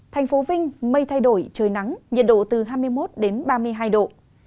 thành phố vinh mây thay đổi trời nắng nhiệt độ từ hai mươi một đến ba mươi hai độ